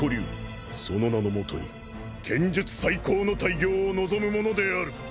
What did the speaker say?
その名のもとに剣術再興の大業を望むものである。